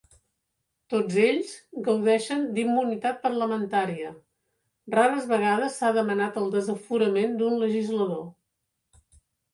Tots ells gaudeixen d'immunitat parlamentària; rares vegades s'ha demanat el desaforament d'un legislador.